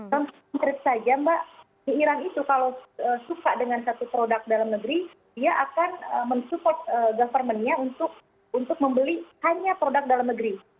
dan menurut saya mbak di iran itu kalau suka dengan satu produk dalam negeri dia akan mendukung pemerintahnya untuk membeli hanya produk dalam negeri